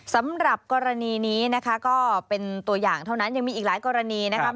สำหรับกรณีนี้นะคะก็เป็นตัวอย่างเท่านั้นยังมีอีกหลายกรณีนะครับ